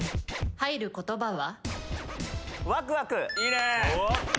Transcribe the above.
入る言葉は？